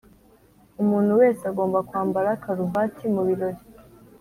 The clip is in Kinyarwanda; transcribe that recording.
umuntu wese agomba kwambara karuvati mubirori.